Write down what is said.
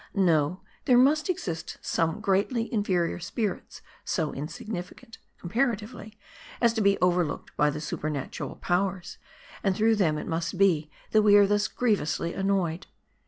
No ; there must exist some greatly inferior spirits ; so" insignificant, comparatively, as to be overlooked by the supernal powers ; and through them it must be, that we are thus grievously annoyed.